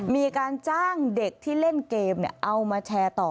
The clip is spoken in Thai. มีการจ้างเด็กที่เล่นเกมเอามาแชร์ต่อ